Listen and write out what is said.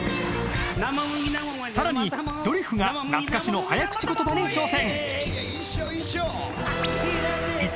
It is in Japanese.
更にドリフが懐かしの早口言葉に挑戦。